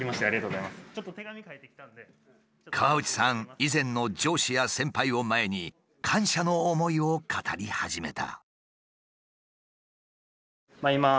以前の上司や先輩を前に感謝の思いを語り始めた。